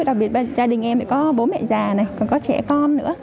đặc biệt gia đình em có bố mẹ già này còn có trẻ con nữa